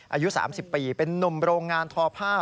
อายุ๓๐ปีเป็นนุ่มโรงงานทอผ้า